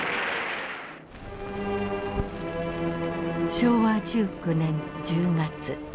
昭和１９年１０月。